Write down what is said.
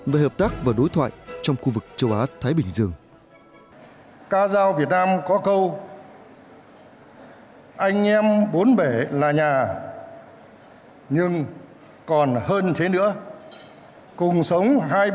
về hợp tác và đối thoại trong khu vực châu á thái bình dương